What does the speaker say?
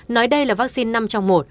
nói đây là vaccine năm trong một